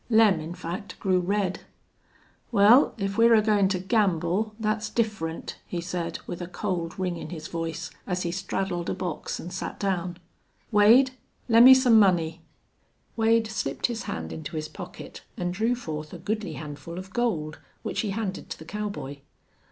Lem, in fact, grew red. "Wal, if we're agoin' to gamble, thet's different," he said, with a cold ring in his voice, as he straddled a box and sat down. "Wade, lemme some money." Wade slipped his hand into his pocket and drew forth a goodly handful of gold, which he handed to the cowboy.